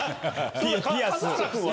ピアス。